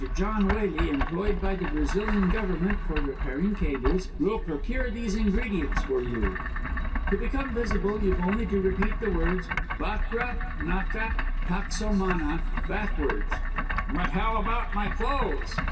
John Waley, employed by the Brazilian Government for repairing cables, will procure these ingredients for you. To become visible, you've only to repeat the words, 'Bakra naka taksomana,' backwards." "But how about my clothes?"